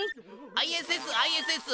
ＩＳＳＩＳＳ